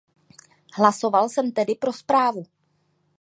Hlasoval jsem tedy pro zprávu.